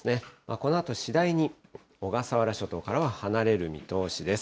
このあと次第に小笠原諸島からは離れる見通しです。